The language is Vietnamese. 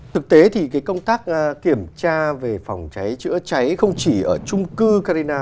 thực tế thì công tác kiểm tra về phòng cháy chữa cháy không chỉ ở trung cư carina